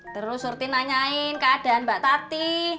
terus surti nanyain keadaan mbak tati